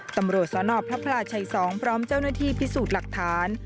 ตำรวจสนพระพลาชัย๒พร้อมเจ้าหน้าที่พิสูจน์หลักฐาน